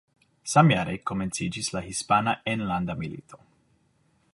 Samjare komenciĝis la Hispana Enlanda Milito.